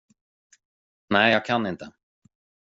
Nej, jag kan inte.